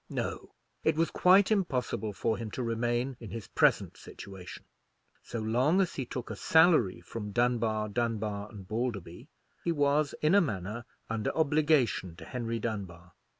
No; it was quite impossible for him to remain in his present situation. So long as he took a salary from Dunbar, Dunbar and Balderby, he was in a manner under obligation to Henry Dunbar.